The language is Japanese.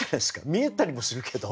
見えたりもするけど。